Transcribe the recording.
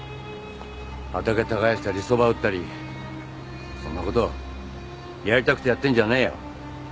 畑耕したりそば打ったりそんな事やりたくてやってんじゃねえよ。